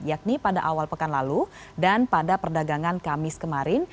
yakni pada awal pekan lalu dan pada perdagangan kamis kemarin